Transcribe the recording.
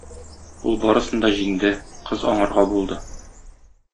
Ул барысын да җиңде, кыз аңарга булды.